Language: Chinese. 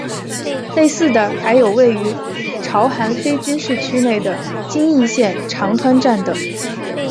类似的还有位于朝韩非军事区内的京义线长湍站等。